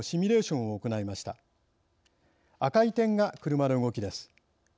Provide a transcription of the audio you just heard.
赤い点が車の動きです。